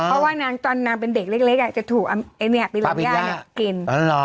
เพราะว่าตอนใหญ่เป็นเด็กเล็กเธอถูกกินปีรั่นยาน